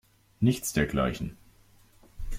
Nichts dergleichen.